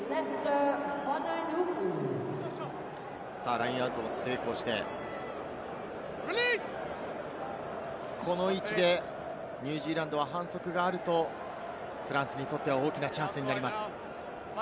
ラインアウト成功して、この位置でニュージーランドは反則があると、フランスにとっては大きなチャンスになります。